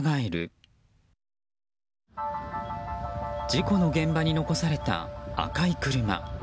事故の現場に残された赤い車。